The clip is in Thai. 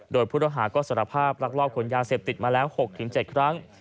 โดยผู้ต้องหาก็สารภาพลักลอบขนยาเสพติดมาแล้ว๖๗ครั้ง